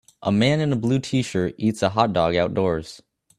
A man in a blue tshirt eats a hotdog outdoors